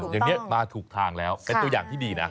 อย่างนี้มาถูกทางแล้วเป็นตัวอย่างที่ดีนะ